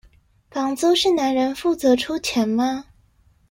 房租是男人負責出錢嗎？